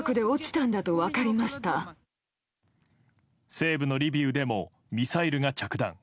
西部のリビウでもミサイルが着弾。